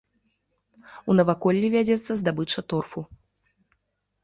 У наваколлі вядзецца здабыча торфу.